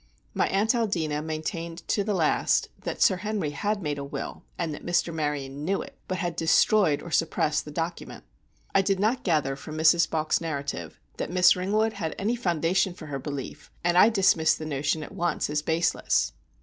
My aunt Aldina maintained to the last that Sir Henry had made a will, and that Mr. Maryon knew it, but had destroyed or suppressed the document. I did not gather from Mrs. Balk's narrative that Miss Ringwood had any foundation for her belief, and I dismissed the notion at once as baseless.